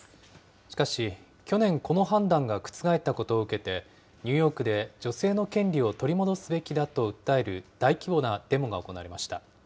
しかし、去年この判断が覆ったことを受けて、ニューヨークで、女性の権利を取り戻すべきだと訴える大規模なデモが行われました。